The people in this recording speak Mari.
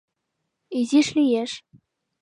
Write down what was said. — Изиш лиеш.